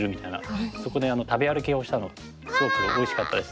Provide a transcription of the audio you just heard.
そこで食べ歩きをしたのすごくおいしかったです。